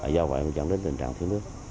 do vậy nó dẫn đến tình trạng thiếu nước